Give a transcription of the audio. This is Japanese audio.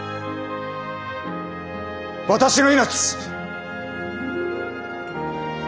私の命。